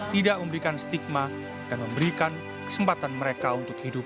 tidak memberikan stigma dan memberikan kesempatan mereka untuk hidup